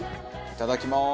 いただきます。